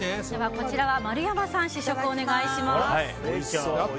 こちらは丸山さん試食をお願いします。